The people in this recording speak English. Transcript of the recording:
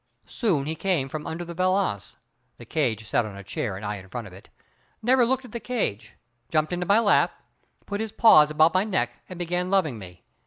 Soon he came from under the valance, (the cage sat on a chair and I in front of it) never looked at the cage, jumped into my lap, put his paws about my neck and began loving me.